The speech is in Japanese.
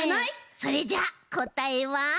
それじゃあこたえは。